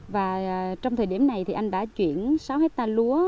và trong thời điểm này thì anh đã chuyển sáu hectare lúa